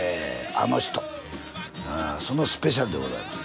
今日の『巷の噺』はそのスペシャルでございます。